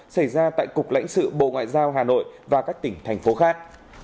xảy ra tại cục lãnh sự bộ ngoại giao hà nội và các tỉnh thành phố khác